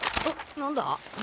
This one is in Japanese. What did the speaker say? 何だ？